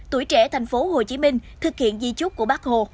tuổi trẻ thành phố hồ chí minh thực hiện di trúc của bác hồ